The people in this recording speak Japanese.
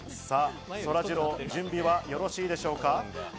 そらジロー、準備はよろしいでしょうか？